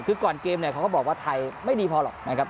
คือก่อนเกมเนี่ยเขาก็บอกว่าไทยไม่ดีพอหรอกนะครับ